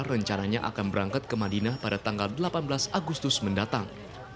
rencananya akan berangkat ke madinah pada tanggal delapan belas agustus mendatang